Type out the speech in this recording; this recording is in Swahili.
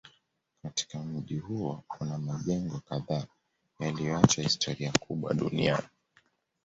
Katika mji huo kuna majengo kadhaa yaliyoacha historia kubwa duniani